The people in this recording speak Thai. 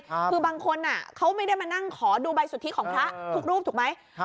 คือบางคนอ่ะเขาไม่ได้มานั่งขอดูใบสุทธิของพระทุกรูปถูกไหม